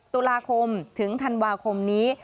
ตุลาคมถึงธันวาคมนี้